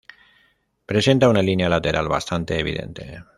Presenta una línea lateral bastante evidente.